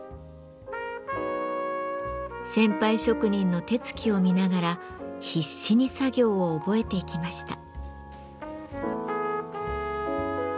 先輩職人の手つきを見ながら必死に作業を覚えていきました。